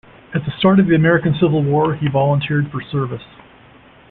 At the start of the American Civil War he volunteered for service.